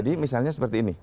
jadi misalnya seperti ini